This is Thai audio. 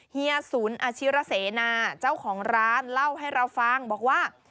เฮียสุนอาชิระเสนาเจ้าของร้านเล่าให้เราฟังบอกว่า